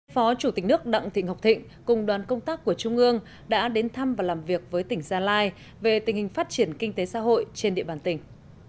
phó chủ tịch nước đặng thị ngọc thịnh cùng đoàn công tác của trung ương đã đến thăm và làm việc với tỉnh gia lai về tình hình phát triển kinh tế xã hội trên địa bàn tỉnh